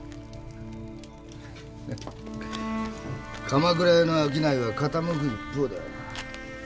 鎌倉屋の商いは傾く一方だ。